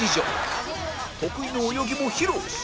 得意の泳ぎも披露